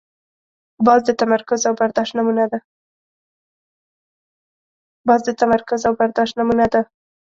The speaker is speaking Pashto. باز د تمرکز او برداشت نمونه ده